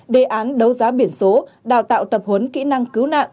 đề án đấu giá biển số đào tạo tập huấn kỹ năng cứu nạn